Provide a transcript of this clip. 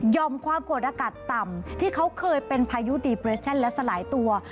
ยอมความกวดอากาศต่ำที่เขาเคยเป็นพายุและสลายตัว